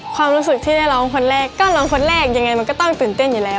ความรู้สึกที่ได้ร้องคนแรกก็ร้องคนแรกยังไงมันก็ต้องตื่นเต้นอยู่แล้ว